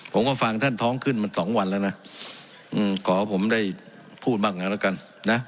ผมก็ฟังท่านท้องขึ้นมาสองวันแล้วนะขอผมได้พูดบ้างกันแล้วกันนะ